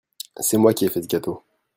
C'est moi qui ait fait ce gâteau.